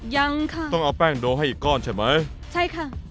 ยังค่ะต้องเอาแป้งโดให้อีกก้อนใช่ไหมใช่ค่ะ